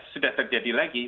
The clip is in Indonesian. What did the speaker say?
sudah terjadi lagi